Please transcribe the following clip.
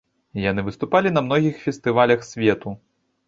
Яны выступалі на многіх фестывалях свету.